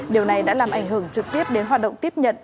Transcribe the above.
điều này đã làm ảnh hưởng trực tiếp đến hoạt động tiếp nhận